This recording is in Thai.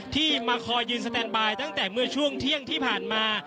ที่มาคอยยืนสแตนบายตั้งแต่เมื่อช่วงเที่ยงที่ผ่านมา